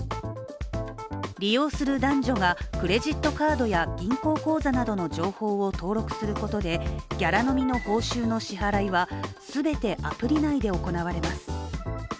利用する男女がクレジットカードや銀行口座などの情報を登録することでギャラ飲みの報酬の支払いは全てアプリ内で行われます。